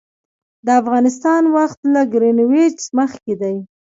د افغانستان وخت له ګرینویچ مخکې دی